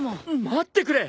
待ってくれ！